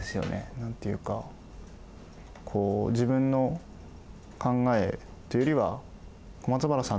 何て言うかこう自分の考えというよりは小松原さん